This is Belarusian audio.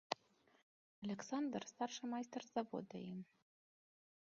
Аляксандр, старшы майстар завода ім.